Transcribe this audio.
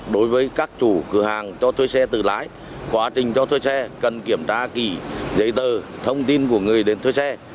đối với các chủ cửa hàng cho thuê xe từ lại quá trình cho thuê xe cần kiểm tra kỳ giấy tờ thông tin của người đến thuê xe